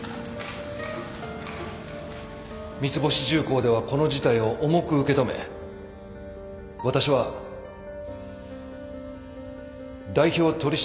三ツ星重工ではこの事態を重く受け止め私は代表取締役を辞任いたします。